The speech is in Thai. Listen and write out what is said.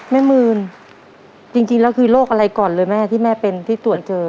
มืนจริงแล้วคือโรคอะไรก่อนเลยแม่ที่แม่เป็นที่ตรวจเจอ